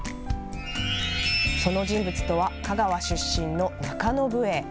その人物とは、香川出身の中野武営。